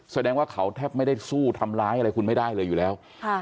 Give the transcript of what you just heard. แสดงว่าเขาแทบไม่ได้สู้ทำร้ายอะไรคุณไม่ได้เลยอยู่แล้ว